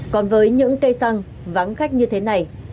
còn với những cây xăng vắng khách như thế này